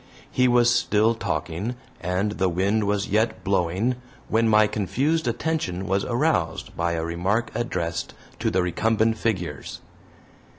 He was still talking, and the wind was yet blowing, when my confused attention was aroused by a remark addressed to the recumbent figures.